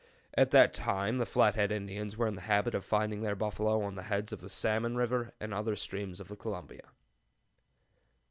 At that time the Flathead Indians were in the habit of finding their buffalo on the heads of Salmon River and other streams of the Columbia.